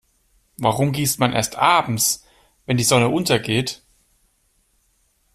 Warum gießt man erst abends, wenn die Sonne untergeht?